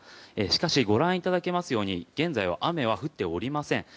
しかしご覧いただけますように現在は雨が降っておりません。